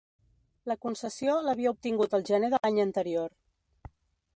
La concessió l’havia obtingut el gener de l’any anterior.